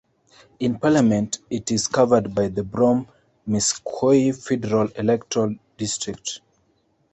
In Parliament it is covered by the Brome-Missisquoi federal electoral district.